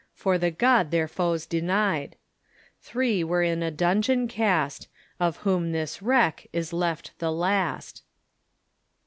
For the God their foes denied ;— Three were in a dungeon cast, Of whom this wreck is left the last."